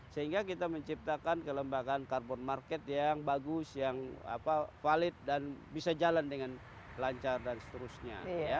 sehingga kita menciptakan kelembagaan carbon market yang bagus yang valid dan bisa jalan dengan lancar dan seterusnya